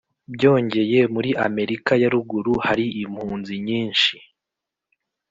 byongeye, muri amerika ya ruguru hari impunzi nyinshi